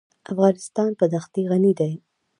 افغانستان په دښتې غني دی.